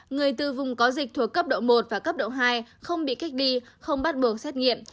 người từ vùng có dịch thuộc cấp độ một và cấp độ hai không bị cách ly không bắt buộc xét nghiệm